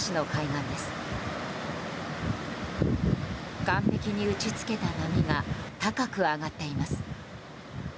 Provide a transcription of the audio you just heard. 岸壁に打ち付けた波が高く上がっています。